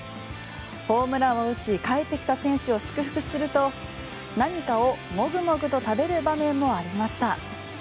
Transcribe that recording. ホームランを打ち帰ってきた選手を祝福するともぐもぐと食べる場面もありました。